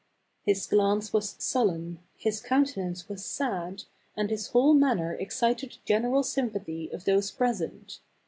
His glance was sullen, his countenance was sad, and his whole manner excited the general sympathy of those present.